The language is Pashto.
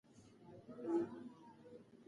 که ژورنالیست وي نو حقایق نه پټیږي.